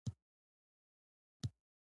ته چوکاټ کي د خپل عکس راته مسکی وي